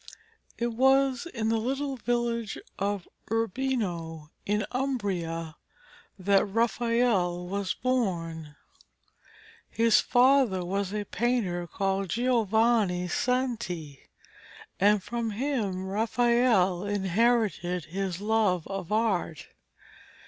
It was in the little village of Urbino, in Umbria, that Raphael was born. His father was a painter called Giovanni Santi, and from him Raphael inherited his love of Art.